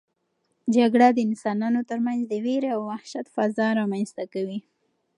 جګړه د انسانانو ترمنځ د وېرې او وحشت فضا رامنځته کوي.